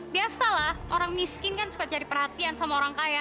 biasalah orang miskin kan suka cari perhatian sama orang kaya